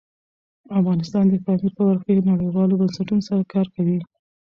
افغانستان د پامیر په برخه کې نړیوالو بنسټونو سره کار کوي.